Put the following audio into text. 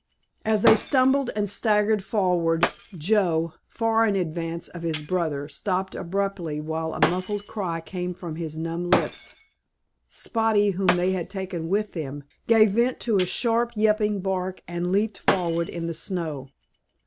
As they stumbled and staggered forward, Joe, far in advance of his brother, stopped abruptly, while a muffled cry came from his numb lips. Spotty, whom they had taken with them, gave vent to a sharp, yelping bark and leaped forward in the snow.